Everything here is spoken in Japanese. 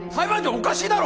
おかしいだろ！